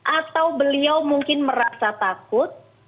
atau beliau mungkin merasa takut